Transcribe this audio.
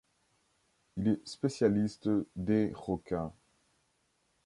Il est spécialiste des requins.